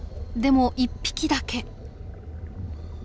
でも１匹だけ。